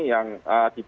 jadi ini adalah kondisinya